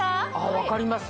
分かります。